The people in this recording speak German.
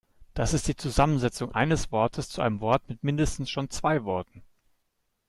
Das ist die Zusammensetzung eines Wortes zu einem Wort mit mindestens schon zwei Worten.